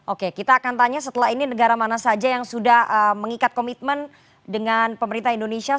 oke kita akan tanya setelah ini negara mana saja yang sudah mengikat komitmen dengan pemerintah indonesia